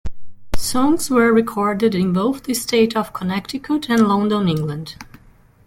Songs were recorded in both the state of Connecticut and London, England.